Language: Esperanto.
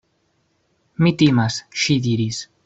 Mi timas, ŝi diris.